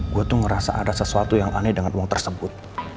gue tuh ngerasa ada sesuatu yang aneh denganmu tersebut